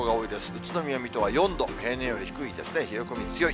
宇都宮、水戸は４度、平年より低いですね、冷え込みが強い。